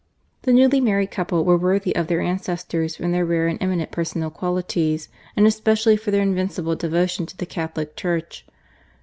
The newly married couple were worthy of their ancestors from their rare and eminent personal qualities, and especially for their invincible devotion to the Catholic Church.